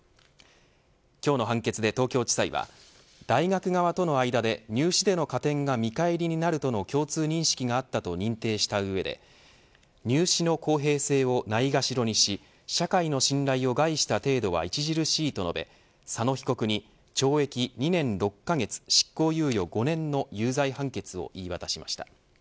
今日の判決で東京地裁は大学側との間で入試での加点が見返りになるとの共通認識があったと認定した上で入試の公平性をないがしろにし社会の信頼を害した程度は著しいと述べ佐野被告に懲役２年６カ月執行猶予５年の有罪判決を言い渡しました。